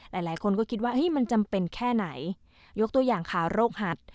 หลายคนก็คิดว่ามันจำเป็นแค่ไหนยกตัวอย่างขาโรคหัด